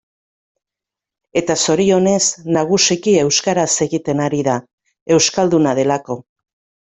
Eta zorionez, nagusiki euskaraz egiten ari da, euskalduna delako.